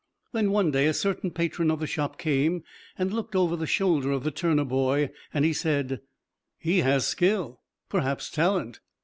Then one day a certain patron of the shop came and looked over the shoulder of the Turner boy, and he said, "He has skill perhaps talent."